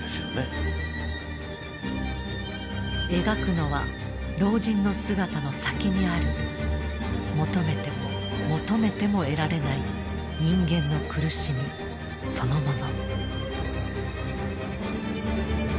描くのは老人の姿の先にある求めても求めても得られない人間の苦しみそのもの。